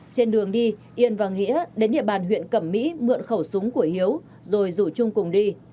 trên đường đi yên và nghĩa đến địa bàn huyện cẩm mỹ mượn khẩu súng của hiếu rồi rủ trung cùng đi